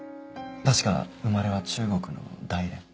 確か生まれは中国の大連。